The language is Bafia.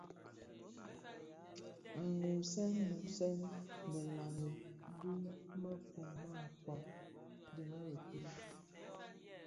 Mmusèn musèn dhilami di mefom me mkpag dhi më bëk-ke,